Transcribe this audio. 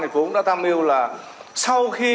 thành phố đã tam yêu là sau khi